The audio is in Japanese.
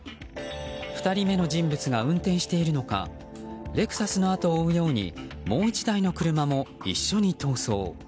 ２人目の人物が運転しているのかレクサスのあとを追うようにもう１台の車も一緒に逃走。